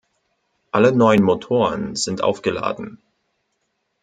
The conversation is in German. Alle neuen Motoren sind aufgeladen.